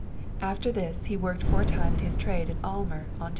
After this he worked for a time at his trade in Aylmer, Ont.